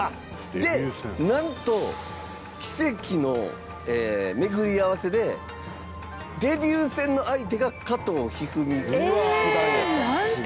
なんと、奇跡の巡り合わせでデビュー戦の相手が加藤一二三九段やったんです。